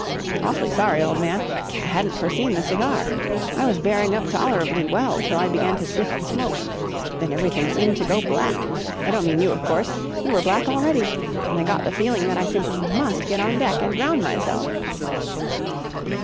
"Awfully sorry, old man. I hadn't foreseen the cigar. I was bearing up tolerably well till I began to sniff the smoke. Then everything seemed to go black—I don't mean you, of course. You were black already—and I got the feeling that I simply must get on deck and drown myself."